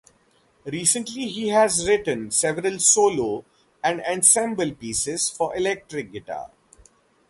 Recently he has written several solo and ensemble pieces for electric guitar.